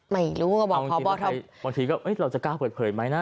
ไม่รู้บางทีก็เราจะกล้าเปิดเผยไหมนะ